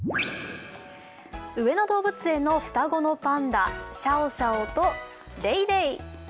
上野動物園の双子のパンダ、シャオシャオとレイレイ。